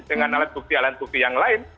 dengan alat bukti alat bukti yang lain